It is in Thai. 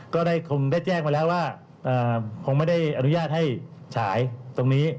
ก็ได้คงได้แจ้งมาแล้วว่าคงไม่ได้อนุญาตให้ฉายตรงนี้